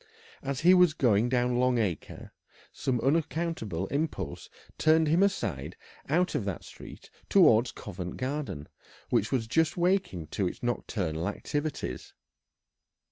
As he was going down Long Acre some unaccountable impulse turned him aside out of that street towards Covent Garden, which was just waking to its nocturnal activities.